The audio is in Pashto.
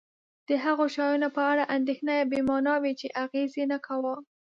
د هغو شیانو په اړه اندېښنه بې مانا وه چې اغېز یې نه کاوه.